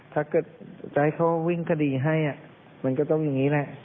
ถ้าเกิดจะให้เขาวิ่งคดีให้มันก็ต้องอย่างนี้แหละ